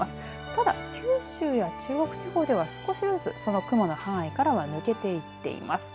ただ九州や中国地方では少しずつその雲の範囲からは抜けていっています。